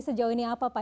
sejauh ini apa pak